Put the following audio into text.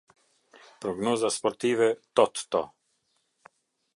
Prognoza sportive — Totto.